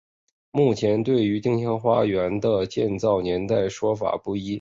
目前对于丁香花园的建造年代说法不一。